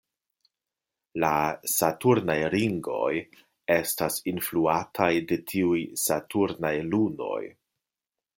La saturnaj ringoj estas influataj de tiuj saturnaj lunoj.